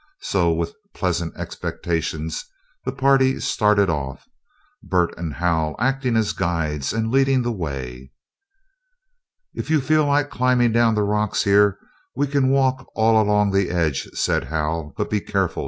So, with pleasant expectations, the party started off, Bert and Hal acting as guides, and leading the way. "If you feel like climbing down the rocks here we can walk all along the edge," said Hal. "But be careful!"